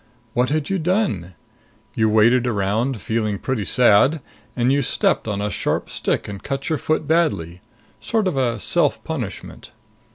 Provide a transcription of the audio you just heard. What had you done? You waded around, feeling pretty sad. And you stepped on a sharp stick and cut your foot badly. Sort of a self punishment."